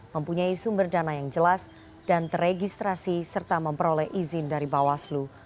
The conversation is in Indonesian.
mempunyai sumber dana yang jelas dan teregistrasi serta memperoleh izin dari bawaslu